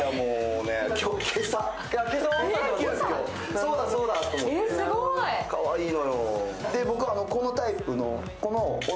そうだそうだと思って、かわいいのよ。